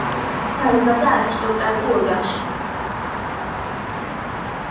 დაიბადა არისტოკრატულ ოჯახში.